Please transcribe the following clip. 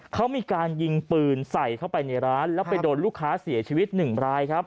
เขามีการยิงปืนใส่เข้าไปในร้านแล้วไปโดนลูกค้าเสียชีวิตหนึ่งรายครับ